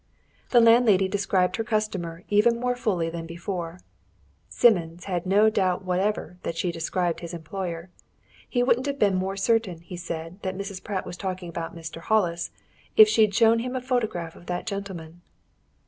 The landlady described her customer even more fully than before: Simmons had no doubt whatever that she described his employer: he wouldn't have been more certain, he said, that Mrs. Pratt was talking about Mr. Hollis, if she'd shown him a photograph of that gentleman.